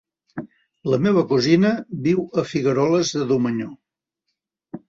La meva cosina viu a Figueroles de Domenyo.